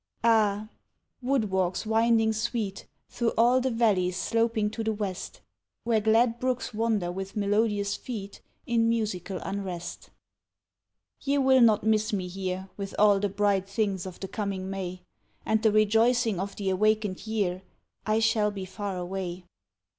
Ah! wood walks winding sweet Through all the valleys sloping to the west, Where glad brooks wander with melodious feet, In musical unrest, Ye will not miss me here With all the bright things of the coming May, And the rejoicing of the awakened year, I shall be far away.